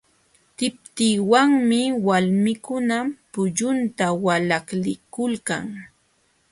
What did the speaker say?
Tikpiwanmi walmikuna pullunta walaklikulkan.